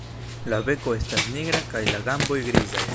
La beko estas nigra kaj la gamboj grizaj.